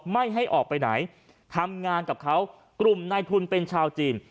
ไม่ให้ออกไปไหนทำงานกับเขากลุ่มนายทุนเป็นชาวจีน